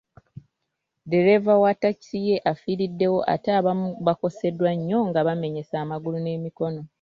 Ddereeva wa takisi ye afiiriddewo ate abamu bakoseddwa nnyo nga bamenyese amagulu n'emikono .